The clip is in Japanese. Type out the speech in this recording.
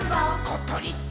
「ことりっ！」